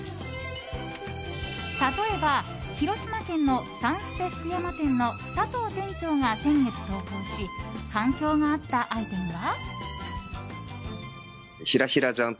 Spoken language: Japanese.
例えば広島県のさんすて福山店のサトウ店長が先月投稿し反響があったアイテムは。